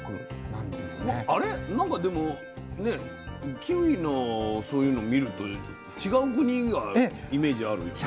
なんかでもねキウイのそういうの見ると違う国がイメージあるよね。